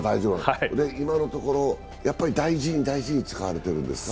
今のところ、大事に大事に使われてるんですか？